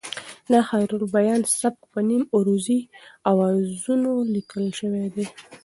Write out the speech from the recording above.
د خیرالبیان سبک په نیم عروضي اوزانو لیکل شوی دی.